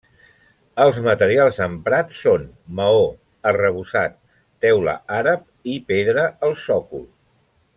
Els materials emprats són: maó, arrebossat, teula àrab i pedra al sòcol.